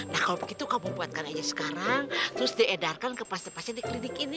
nah kalau begitu kamu buatkan aja sekarang terus diedarkan ke pasien pasien di klinik ini